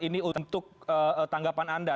ini untuk tanggapan anda